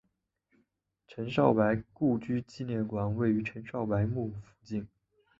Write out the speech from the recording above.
陈少白故居纪念馆位于陈少白墓附近。